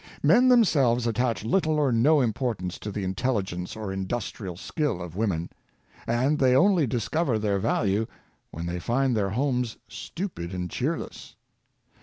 Men themselves attach little or no importance to the intelligence or industrial skill of women ; and they only discover their value when they find their homes stupid and cheerless.